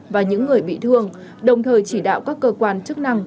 và những người bị thương đồng thời chỉ đạo các cơ quan chức năng